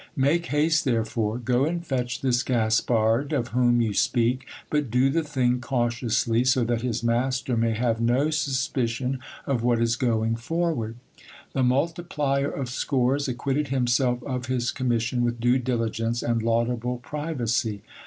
Make haste, therefore ; go and fetch this Gaspard, of whom you speak ; but do the thing cautiously, so that his master may have no sus picion of what is going forward. The multiplier of scores acquitted himself of his commission with due diligence and laudable privacy.